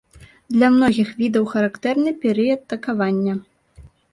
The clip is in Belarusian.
Для многіх відаў характэрны перыяд такавання.